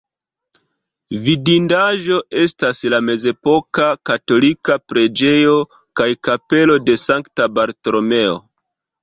Vidindaĵo estas la mezepoka katolika preĝejo kaj kapelo de Sankta Bartolomeo.